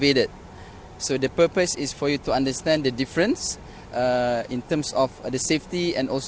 วิธีการเปลี่ยนการมีความปลอดภัยคลิก